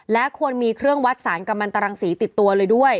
และควรมีเครื่องวัดสารกำลังตรังสีติดตัวเลยด้วย